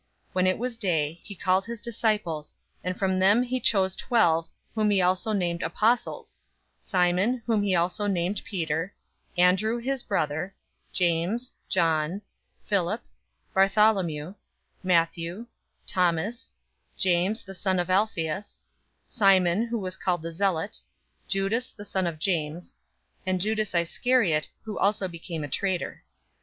006:013 When it was day, he called his disciples, and from them he chose twelve, whom he also named apostles: 006:014 Simon, whom he also named Peter; Andrew, his brother; James; John; Philip; Bartholomew; 006:015 Matthew; Thomas; James, the son of Alphaeus; Simon, who was called the Zealot; 006:016 Judas the son of James; and Judas Iscariot, who also became a traitor.